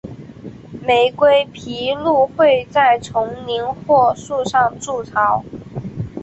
玫瑰琵鹭会在丛林或树上筑巢。